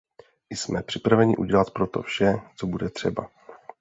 Jsme připraveni udělat pro to vše, co bude třeba.